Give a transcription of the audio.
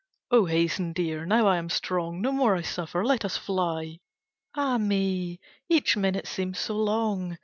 Oh hasten dear, now I am strong, No more I suffer, let us fly, Ah me! each minute seems so long.